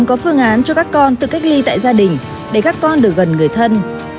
có phương án cho các con tự cách ly tại gia đình để các con được gần người thân